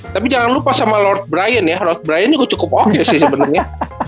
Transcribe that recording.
tapi jangan lupa sama lord brian ya roth brian juga cukup oke sih sebenarnya